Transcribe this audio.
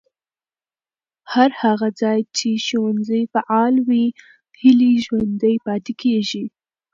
هر هغه ځای چې ښوونځي فعال وي، هیلې ژوندۍ پاتې کېږي.